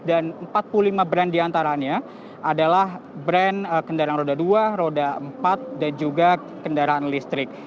dan empat puluh lima brand diantaranya adalah brand kendaraan roda dua roda empat dan juga kendaraan listrik